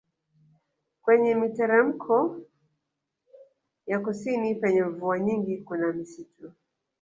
Kwenye miteremko ya kusini penye mvua nyingi kuna misitu